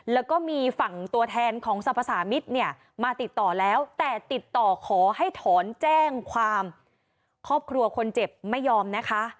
แล้วก็มีฝั่งตัวแทนของสรรพสามิตรเนี่ยมาติดต่อแล้วแต่ติดต่อขอให้ถอนแจ้งความครอบครัวคนเจ็บไม่ยอมนะคะ